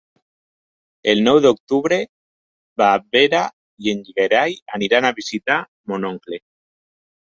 El nou d'octubre na Vera i en Gerai aniran a visitar mon oncle.